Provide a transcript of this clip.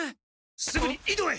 すぐに井戸へ！